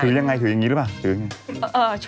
ถือยังไงถือยังงี้หรือเปล่าถือยังงี้